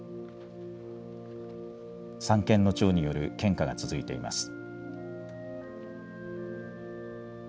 三権の長による献花が続いています。